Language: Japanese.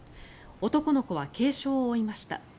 男の子は軽傷を負いました。